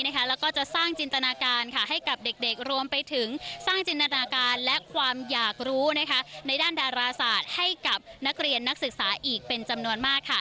แล้วก็จะสร้างจินตนาการให้กับเด็กรวมไปถึงสร้างจินตนาการและความอยากรู้ในด้านดาราศาสตร์ให้กับนักเรียนนักศึกษาอีกเป็นจำนวนมาก